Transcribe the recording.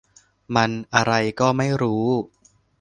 มันอะไรก็ไม่รู้